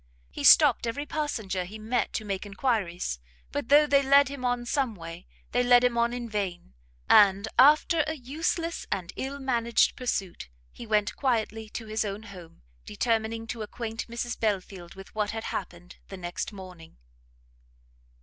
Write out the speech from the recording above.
He stopt every passenger he met to make enquiries, but though they led him on some way, they led him on in vain; and, after a useless and ill managed pursuit, he went quietly to his own home, determining to acquaint Mrs Belfield with what had happened the next morning.